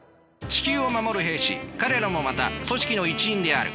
地球を守る兵士彼らもまた組織の一員である。